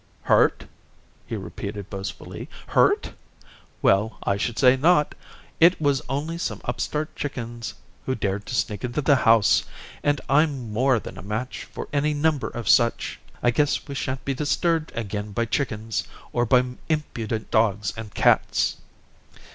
"Hurt!" he repeated boastfully, "hurt? Well, I should say not. It was only some upstart chickens who dared to sneak into the house, and I'm more than a match for any number of such. I guess we shan't be disturbed again by chickens or by impudent dogs and cats."